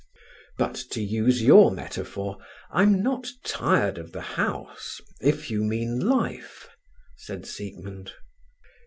"But, to use your metaphor, I'm not tired of the House—if you mean Life," said Siegmund.